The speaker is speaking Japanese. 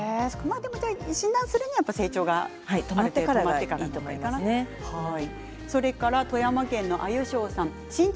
診断するには成長が止まってからの方がいいと思います。